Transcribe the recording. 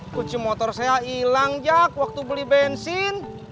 kunci motor saya ilang jak waktu beli bensin